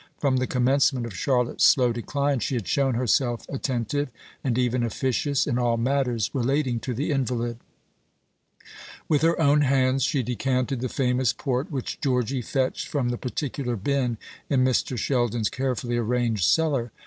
From the commencement of Charlotte's slow decline she had shown herself attentive, and even officious, in all matters relating to the invalid. With her own hands she decanted the famous port which Georgy fetched from the particular bin in Mr. Sheldon's carefully arranged cellar.